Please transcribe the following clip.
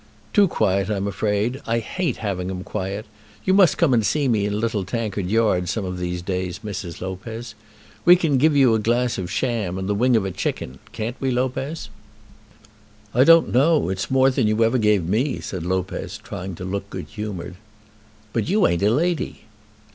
"Too quiet, I'm afraid. I hate having 'em quiet. You must come and see me in Little Tankard Yard some of these days, Mrs. Lopez. We can give you a glass of cham. and the wing of a chicken; can't we, Lopez?" "I don't know. It's more than you ever gave me," said Lopez, trying to look good humoured. "But you ain't a lady."